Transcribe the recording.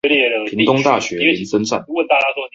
屏東大學林森站